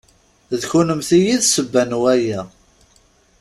D kennemti i d ssebba n waya.